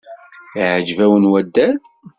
Iεǧeb-wen waddal?